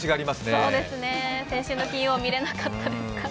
そうですね、先週の金曜、見れなかったですから。